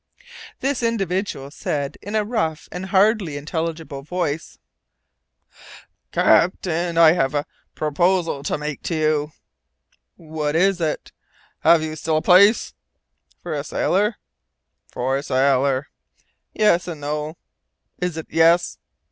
This individual said, in a rough and hardly intelligible voice, "Captain, I have to make a proposal to you." "What is it?" "Have you still a place?" "For a sailor?" "For a sailor." "Yes and no." "Is it yes?"